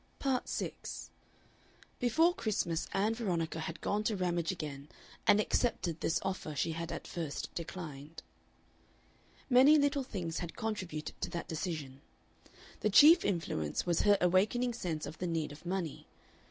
Part 6 Before Christmas Ann Veronica had gone to Ramage again and accepted this offer she had at first declined. Many little things had contributed to that decision. The chief influence was her awakening sense of the need of money.